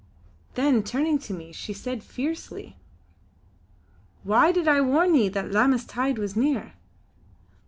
Then turning to me she said fiercely: "Why did I warn ye that Lammas tide was near?